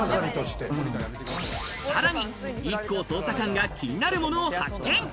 さらにＩＫＫＯ捜査官が気になるものを発見。